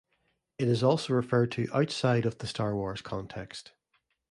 It is also referred to outside of the "Star Wars" context.